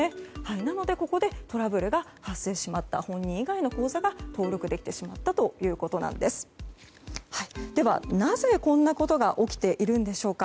なので、ここでトラブルが発生してしまった本人以外の口座が登録されてしまったということなんですがなぜこんなことが起きているんでしょうか。